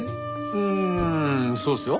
うーんそうですよ。